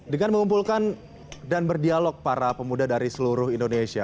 dengan mengumpulkan dan berdialog para pemuda dari seluruh indonesia